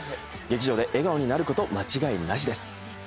劇場で笑顔になること間違いなしです。